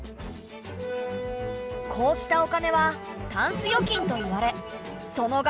こうしたお金はタンス預金といわれその額